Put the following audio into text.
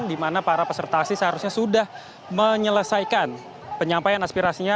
di mana para pesertasi seharusnya sudah menyelesaikan penyampaian aspirasinya